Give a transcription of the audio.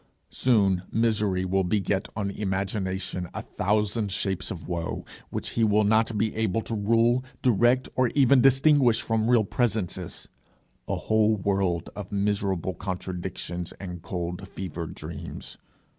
Soon, misery will beget on imagination a thousand shapes of woe, which he will not be able to rule, direct, or even distinguish from real presences a whole world of miserable contradictions and cold fever dreams.